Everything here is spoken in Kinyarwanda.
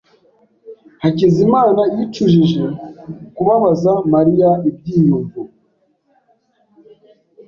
Hakizimana yicujije kubabaza Mariya ibyiyumvo.